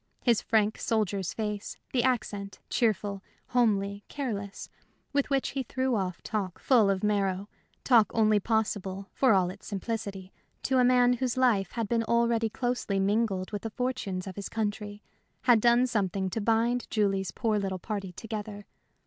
His frank soldier's face, the accent, cheerful, homely, careless, with which he threw off talk full of marrow, talk only possible for all its simplicity to a man whose life had been already closely mingled with the fortunes of his country, had done something to bind Julie's poor little party together.